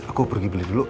aku pergi beli dulu